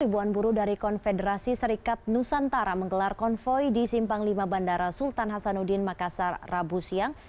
ribuan buruh dari konfederasi serikat nusantara menggelar konvoy di simpang lima bandara sultan hasanuddin makassar rabu siang